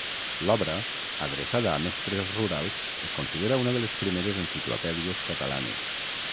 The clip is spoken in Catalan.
L'obra, adreçada a mestres rurals, es considera una de les primeres enciclopèdies catalanes.